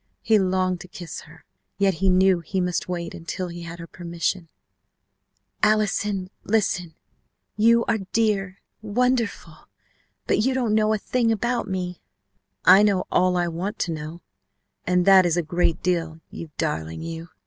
He longed to kiss her, yet knew he must wait until he had her permission "Allison! Listen! You are dear wonderful but you don't know a thing about me!" "I know all I want to know, and that is a great deal, you darling, you!"